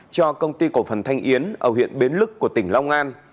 cho công ty cổ phần thanh yến ở huyện bến lức của tỉnh long an